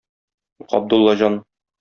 Габдуллаҗан.